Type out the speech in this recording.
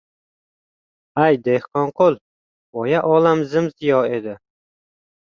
Ay, Dehqonqul, boya olam zim-ziyo edi